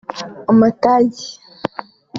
Amatage